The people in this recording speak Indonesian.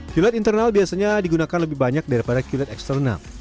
qled internal biasanya digunakan lebih banyak daripada qled eksternal